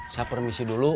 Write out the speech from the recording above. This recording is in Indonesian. saya permisi dulu